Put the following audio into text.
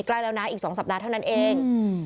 ใกล้แล้วนะอีก๒สัปดาห์เท่านั้นเอง